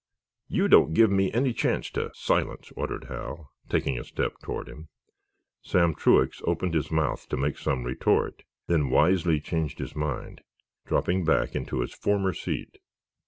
"You don't give me any chance to—" "Silence!" ordered Hal, taking a step toward him. Sam Truax opened his mouth to make some retort, then wisely changed his mind, dropping back into his former seat.